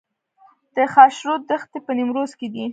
د خاشرود دښتې په نیمروز کې دي